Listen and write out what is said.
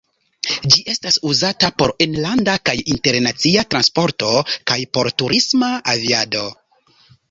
Ĝi estas uzata por enlanda kaj internacia transporto kaj por turisma aviado.